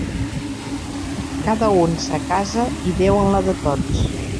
Cada u en sa casa i Déu en la de tots.